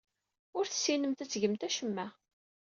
Ur tessinemt ad tgemt acemma.